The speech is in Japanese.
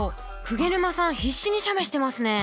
久下沼さん必死に写メしてますね。